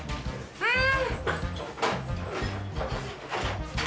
うん